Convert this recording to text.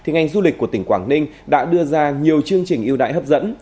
ngành du lịch của tỉnh quảng ninh đã đưa ra nhiều chương trình yêu đại hấp dẫn